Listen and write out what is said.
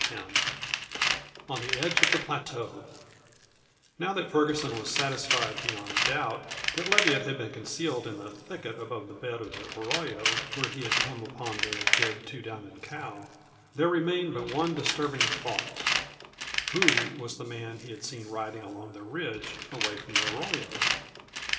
CHAPTER XIV ON THE EDGE OF THE PLATEAU Now that Ferguson was satisfied beyond doubt that Leviatt had been concealed in the thicket above the bed of the arroyo where he had come upon the dead Two Diamond cow, there remained but one disturbing thought: who was the man he had seen riding along the ridge away from the arroyo?